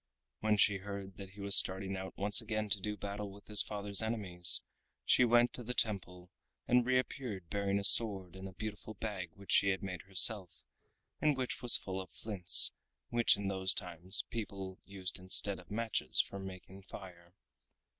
When she heard that he was starting out once again to do battle with his father's enemies, she went into the temple, and reappeared bearing a sword and a beautiful bag which she had made herself, and which was full of flints, which in those times people used instead of matches for making fire.